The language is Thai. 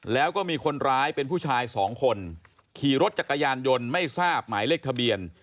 แล้วก็มีคนร้ายเป็นผู้ชายสองคนขี่รถจักรยานยนต์ไม่ทราบหมายเลขทะเบียน